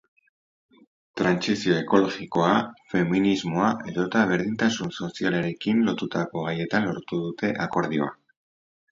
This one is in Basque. Trantsizio ekologikoa, feminismoa edota berdintasun sozialarekin lotutako gaietan lortu dute akordioa.